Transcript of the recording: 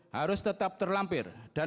harus tetap terlampir dan